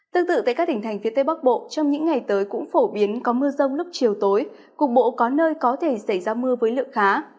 tương tự tại các tỉnh thành phía tây bắc bộ trong những ngày tới cũng phổ biến có mưa rông lúc chiều tối cục bộ có nơi có thể xảy ra mưa với lượng khá